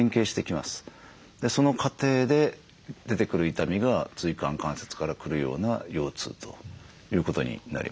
その過程で出てくる痛みが椎間関節から来るような腰痛ということになります。